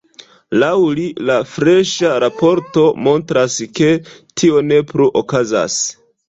Laŭ li la freŝa raporto montras, ke tio ne plu okazas.